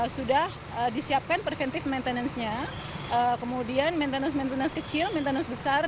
sudah disiapkan preventif maintenance nya kemudian maintenance maintenance kecil maintenance besar